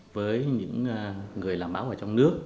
với những người làm báo ở trong nước